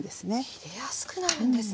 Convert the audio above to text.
切りやすくなるんですね。